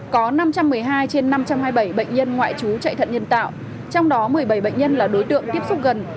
có năm trăm một mươi hai trên năm trăm hai mươi bảy bệnh nhân ngoại trú chạy thận nhân tạo trong đó một mươi bảy bệnh nhân là đối tượng tiếp xúc gần